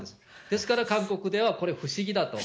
ですから韓国ではこれ、不思議だと。